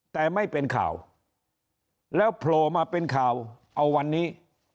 แต่ไม่เป็นข่าวแล้วโผล่มาเป็นข่าวเอาวันนี้